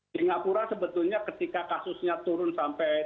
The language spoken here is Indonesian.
singapura sebetulnya ketika kasusnya turun sampai ke bawah